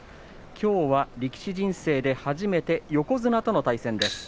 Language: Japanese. きょうは力士人生で初めて横綱との対戦です。